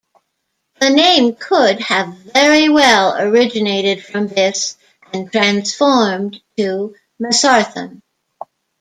The name could have very well originated from this and transformed to "Mesarthim".